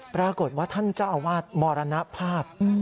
ปรากฏว่าท่านเจ้าอาวาสมรณภาพ